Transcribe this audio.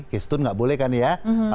gesteun enggak boleh kan ya